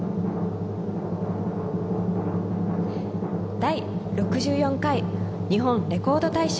「第６４回日本レコード大賞」